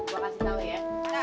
gue kasih tau ya